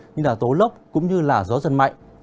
như là tố lốc cũng như là gió giật mạnh